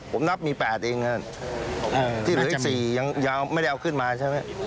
ผมนับมี๘เองครับที่เหลืออีก๔ยังไม่ได้เอาขึ้นมาใช่ไหม